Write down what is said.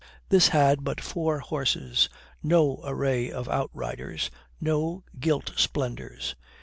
This had but four horses, no array of outriders, no gilt splendours.